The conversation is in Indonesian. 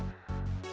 pokoknya gue mau tidur